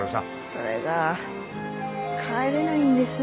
それが帰れないんです。